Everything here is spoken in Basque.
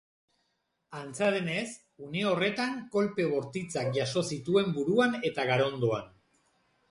Antza denez, une horretan kolpe bortitzak jaso zituen buruan eta garondoan.